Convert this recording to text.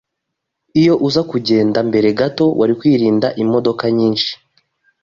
Iyo uza kugenda mbere gato, wari kwirinda imodoka nyinshi.